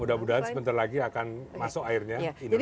mudah mudahan sebentar lagi akan masuk airnya indonesia